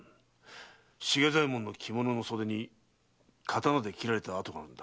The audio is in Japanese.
茂左衛門の着物の袖に刀で斬られたあとがあった。